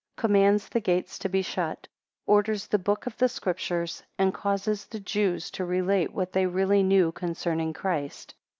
2 Commands the gates to be shut; orders the book of the Scriptures; and causes the Jews to relate what they really knew concerning Christ.